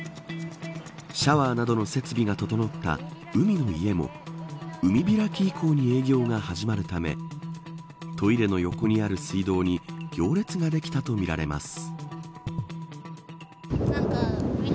シャワーなどの設備が整った海の家も、海開き以降に営業が始まるためトイレの横にある水道に行列ができたとみられます。